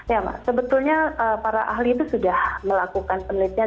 ya mbak sebetulnya para ahli itu sudah melakukan penelitian